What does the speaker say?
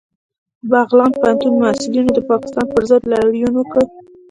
بغلان پوهنتون محصلینو د پاکستان پر ضد لاریون وکړ